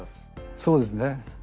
そうですね。